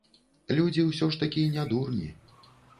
Людзі ўсё ж такі не дурні.